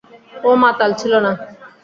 ও মাতাল ছিল না।